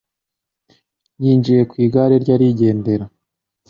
Yinjiye ku igare rye arigendera